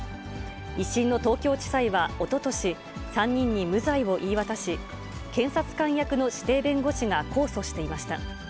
１審の東京地裁はおととし、３人に無罪を言い渡し、検察官役の指定弁護士が控訴していました。